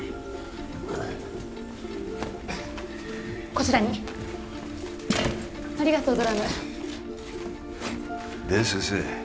こちらにありがとうドラムで先生